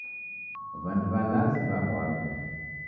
W'andu w'alazi w'aw'adwa.